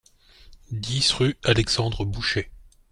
dix rue Alexandre Boucher